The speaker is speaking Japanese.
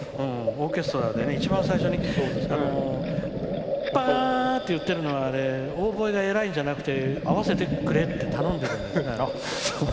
オーケストラで一番最初にパーンって言ってるのはあれ、オーボエが偉いんじゃなくて合わせてくれって頼んでいるんです。